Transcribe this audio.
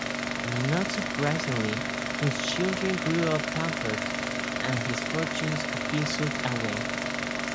Not surprisingly, his children grew up pampered, and his fortunes fizzled away.